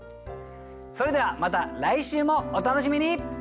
それではまた来週もお楽しみに！